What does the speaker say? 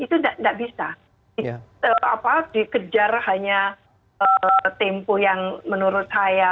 kan lima tahun aja itu nggak bisa dikejar apa dikejar hanya tempo yang menurut saya